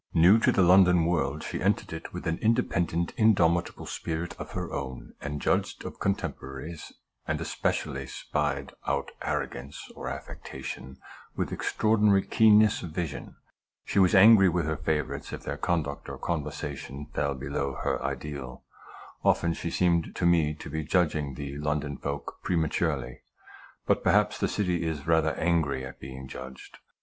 New to the London world, she entered it with an independent, indomitable spirit of her own ; and judged of contemporaries, and especially spied out arrogance or affectation, with extraordinary keenness of vision. She was angry with her favorites if their conduct or conversation fell below her ideal. Often she seemed to me to be judging the London folk prematurely ; but perhaps the city is rather angry at being judged.